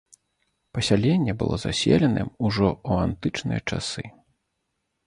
Пасяленне было заселеным ужо ў антычныя часы.